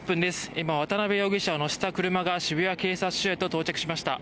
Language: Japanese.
今、渡邉容疑者を乗せた車が渋谷警察署に到着しました。